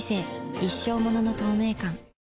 一生ものの透明感